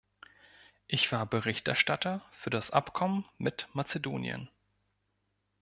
Ich war Berichterstatter für das Abkommen mit Mazedonien.